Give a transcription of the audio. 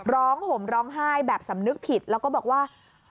ห่มร้องไห้แบบสำนึกผิดแล้วก็บอกว่า